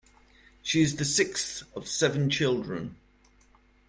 She is the sixth of seven children.